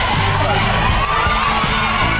จำนวน๒๕ชุด